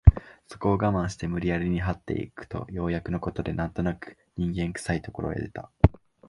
そこを我慢して無理やりに這って行くとようやくの事で何となく人間臭い所へ出た